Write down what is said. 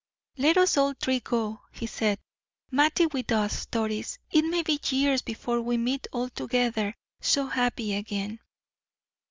"Let us all three go," he said. "Mattie with us, Doris; it may be years before we meet all together so happy again."